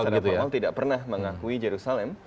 pemerintah secara formal tidak pernah mengakui yerusalem